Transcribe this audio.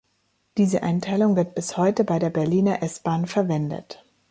Diese Einteilung wird bis heute bei der Berliner S-Bahn verwendet.